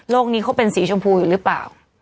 นี้เขาเป็นสีชมพูอยู่หรือเปล่า